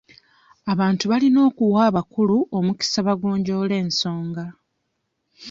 Abantu balina okuwa abakulu omukisa bagonjoole ensonga.